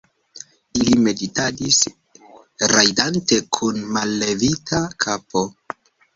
li meditadis, rajdante kun mallevita kapo.